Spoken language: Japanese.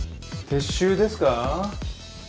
撤収ですか？